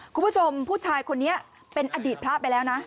คุณผู้ชมผู้ชายคนนี้เป็นอดีตพระไปแล้วนะ